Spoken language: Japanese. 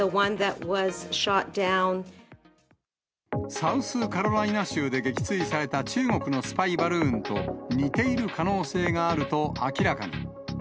サウスカロライナ州で撃墜された中国のスパイバルーンと、似ている可能性があると明らかに。